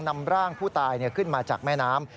นำร่างผู้ตายขึ้นมาจากแม่น้ำ